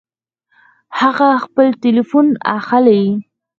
هغه خپل ټيليفون اخلي